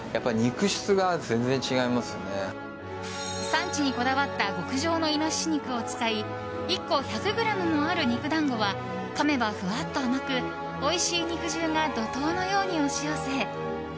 産地にこだわった極上のイノシシ肉を使い１個１００ｇもある肉団子はかめばふわっと甘くおいしい肉汁が怒涛のように押し寄せ